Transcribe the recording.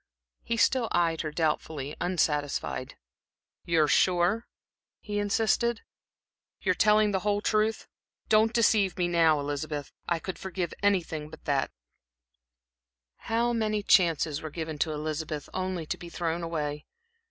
He still eyed her doubtfully, unsatisfied. "You are sure?" he insisted. "You are telling me the whole truth? Don't deceive me now, Elizabeth; I could forgive anything but that." How many chances were given to Elizabeth, only to be thrown away!